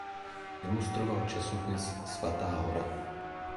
Ilustroval časopis "Svatá Hora".